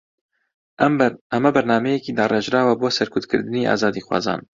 ئەمە بەرنامەیەکی داڕێژراوە بۆ سەرکوتکردنی ئازادیخوازان